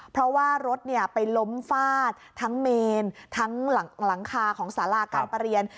เพราะว่ารถไปล้มฟาดทั้งเมนทั้งหลังคาของสาราการประเรียน